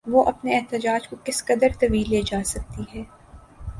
وہ اپنے احتجاج کو کس قدر طویل لے جا سکتی ہے؟